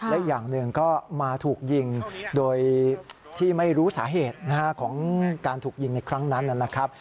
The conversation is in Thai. และอีกอย่างหนึ่งก็มาถูกยิงโดยที่ไม่รู้สาเหตุของการถูกยิงในครั้งนั้นนะครับ